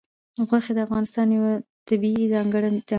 غوښې د افغانستان یوه طبیعي ځانګړتیا ده.